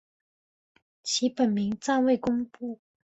其本名暂未公布。